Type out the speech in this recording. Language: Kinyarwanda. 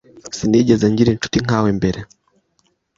Sinigeze ngira inshuti nkawe mbere.